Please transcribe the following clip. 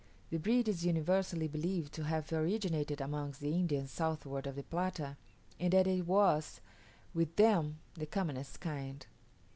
The breed is universally believed to have originated amongst the Indians southward of the Plata; and that it was with them the commonest kind.